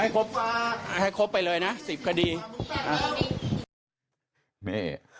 เอาให้ครบ๑๐ไปเลย